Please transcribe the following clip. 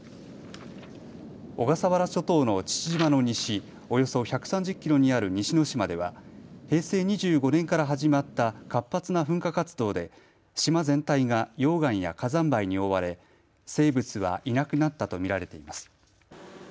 小笠原諸島の父島の西およそ１３０キロにある西之島では平成２５年から始まった活発な噴火活動で島全体が溶岩や火山灰に覆われ生物はいなくなったと見られています。